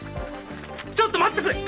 ちょっと待ってくれ！